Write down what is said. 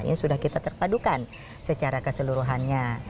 ini sudah kita terpadukan secara keseluruhannya